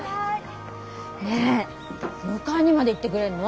ねえ迎えにまで行ってくれんの？